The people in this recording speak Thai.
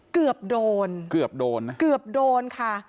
เกือบโดนเกือบโดนนะเกือบโดนค่ะ